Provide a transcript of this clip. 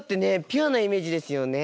ピュアなイメージですよね。